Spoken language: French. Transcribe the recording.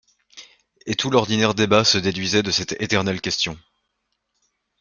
Et tout l'ordinaire débat se déduisait de cette éternelle question.